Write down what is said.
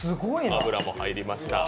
油も入りました。